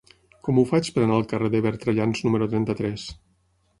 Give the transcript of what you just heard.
Com ho faig per anar al carrer de Bertrellans número trenta-tres?